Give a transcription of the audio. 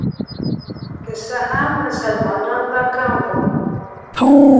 که څه هم مسلمانان به کم وو.